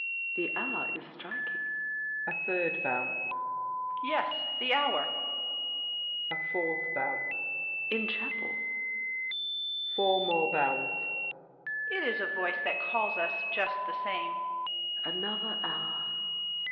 The hour is striking. [A third bell. DIDIER. Yes, the hour! [A fourth bell. SAVERNY. In chapel! [Four more bells. DIDIER. It is a voice that calls us, just the same. SAVERNY. Another hour!